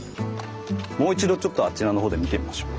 もう一度ちょっとあちらのほうで見てみましょう。